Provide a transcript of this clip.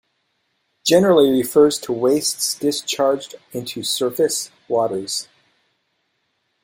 Generally refers to wastes discharged into surface waters".